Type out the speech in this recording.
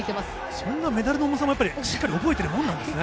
そんなにメダルの重さもしっかり覚えているものなんですね。